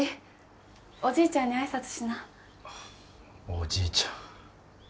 おじいちゃん。